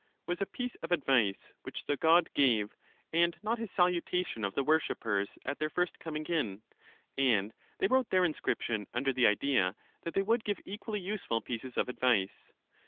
" was a piece of advice which the god gave, and not his salutation of the wor shippers at their first coming in; and they wrote their inscription under the idea that they would give equally useful pieces of advice.